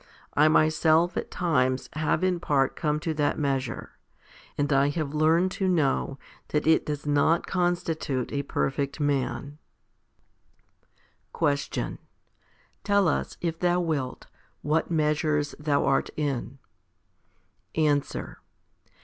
I myself at times have in part come to that measure, and I have learned to know that it does not constitute a perfect man. 6. Question. Tell us, if thou wilt, what measures thou art in ? Answer.